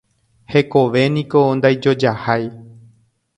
Hekovéniko ndaijojahái.